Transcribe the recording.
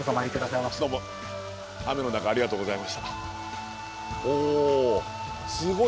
どうも雨の中ありがとうございました。